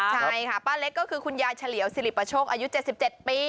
ใช่ค่ะป้าเล็กก็คือคุณยายเฉลียวสิริปโชคอายุ๗๗ปี